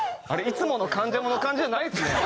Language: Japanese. いつもの『関ジャム』の感じじゃないですね。